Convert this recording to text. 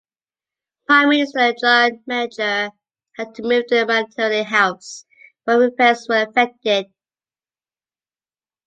Prime Minister John Major had to move to Admiralty House while repairs were effected.